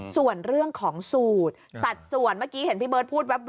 ส่วนเรื่องของสูตรสัดส่วนเมื่อกี้เห็นพี่เบิร์ตพูดแป๊บ